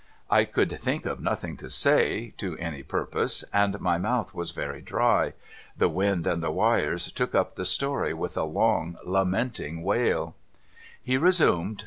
I could think of nothing to say, to any purpose, and my mouth was very dry. The wind and the wires took up the story with a long lamenting wail. He resugied.